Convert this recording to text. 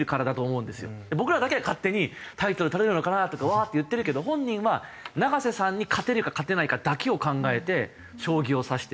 僕らだけが勝手にタイトル取れるのかなとかわーって言ってるけど本人は永瀬さんに勝てるか勝てないかだけを考えて将棋を指している。